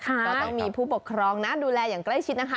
ก็ต้องมีผู้ปกครองนะดูแลอย่างใกล้ชิดนะคะ